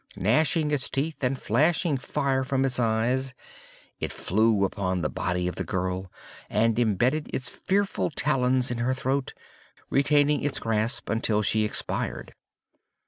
Gnashing its teeth, and flashing fire from its eyes, it flew upon the body of the girl, and imbedded its fearful talons in her throat, retaining its grasp until she expired.